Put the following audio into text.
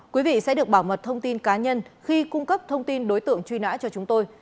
quý vị sẽ được bảo mật thông tin cá nhân khi cung cấp thông tin đối tượng truy nã cho chúng tôi